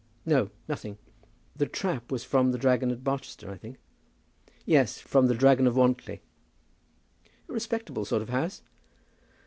"No, nothing." "The trap was from 'The Dragon' at Barchester, I think?" "Yes, from 'The Dragon of Wantly.'" "A respectable sort of house?"